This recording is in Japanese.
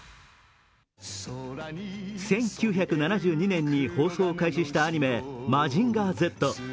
１９７２年に放送を開始したアニメ「マジンガーＺ」。